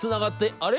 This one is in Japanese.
あれ？